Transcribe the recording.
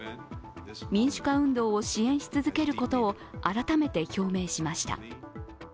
民主化運動を支援し続けることを改めて表明しました。